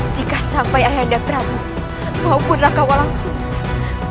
jika sampai ayah dan prabu maupun raka walang sungsang